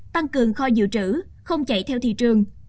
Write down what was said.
tăng cường kho dự trữ không chạy theo thị trường